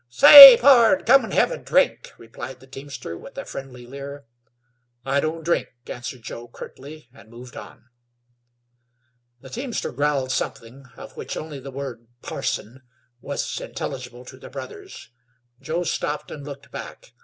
"Say, pard, cum an' hev' a drink," replied the teamster, with a friendly leer. "I don't drink," answered Joe, curtly, and moved on. The teamster growled something of which only the word "parson" was intelligible to the brothers. Joe stopped and looked back.